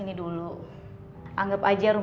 tidak bisa kalau